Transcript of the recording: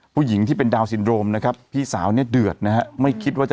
ผู้หญิงที่เป็นดาวนซินโรมนะครับพี่สาวเนี่ยเดือดนะฮะไม่คิดว่าจะ